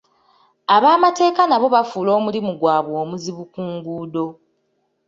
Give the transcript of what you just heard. Ab'amateeka nabo bafuula omulimu gwaabwe omuzibu ku nguudo.